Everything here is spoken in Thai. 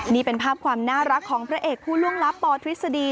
นี่เป็นภาพความน่ารักของพระเอกผู้ล่วงลับปทฤษฎี